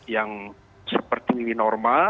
yang seperti ini normal